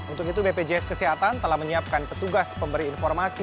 untuk itu bpjs kesehatan telah menyiapkan petugas pemberi informasi